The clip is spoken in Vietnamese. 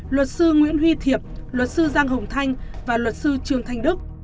luật sư nguyễn huy thiệp luật sư giang hồng thanh và luật sư trương thanh đức